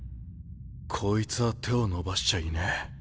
こいつは手を伸ばしちゃいねえ。